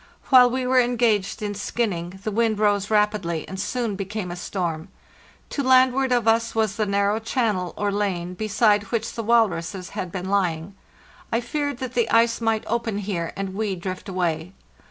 While we were engaged in skinning, the wind rose rapidly, and soon became a storm. To landward of us was the narrow channel or lane beside which the walruses had been lying. I feared that the ice might open here, and we drift away.